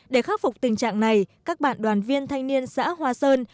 để khắc phục tình trạng này các bạn đoàn viên thanh niên xã hoa sơn